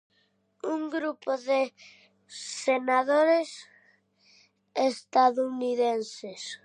Un grupo de senadores estadounidenses.